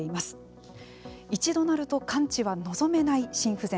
一度なると完治は望めない心不全。